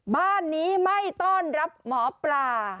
บ้านนี้ไม่ต้อนรับหมอปลา